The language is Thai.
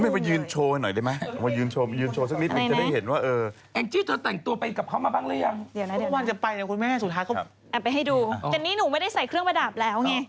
แต่นี่หนูไม่ได้ใส่เครื่องประดับแล้วไง